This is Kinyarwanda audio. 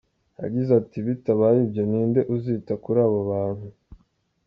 Yagize ati"Bitabaye ibyo ni nde uzita kuri abo bantu?”.